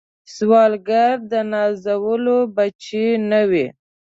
سوالګر د نازولو بچي نه وي